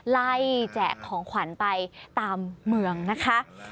แจกของขวัญไปตามเมืองนะคะ